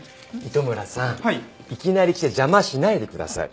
糸村さんいきなり来て邪魔しないでください。